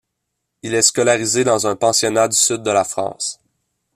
Il est scolarisé dans un pensionnat du sud de la France.